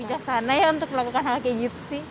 biasanya untuk melakukan hal kayak gitu sih